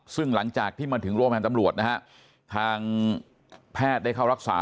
ซึ่งหลังจากที่มาถึงร่วมกับทำรวจทางแพทย์ได้เข้ารักษา